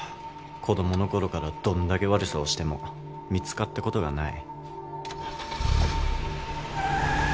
子供の頃からどんだけ悪さをしても見つかったことがない